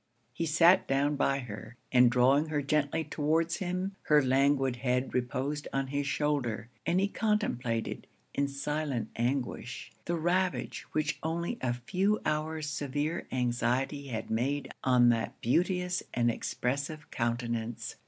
He sat down by her; and drawing her gently towards him, her languid head reposed on his shoulder, and he contemplated, in silent anguish, the ravage which only a few hours severe anxiety had made on that beauteous and expressive countenance.